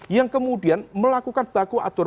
yang kemudian melakukan baku atur